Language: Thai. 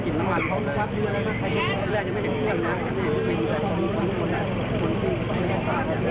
จัดการหล่อที่คุณ